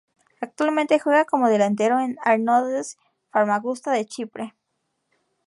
Actualmente juega como delantero en el Anorthosis Famagusta de Chipre.